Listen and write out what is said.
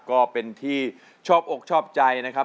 ก็เป็นที่ชอบอกชอบใจนะครับ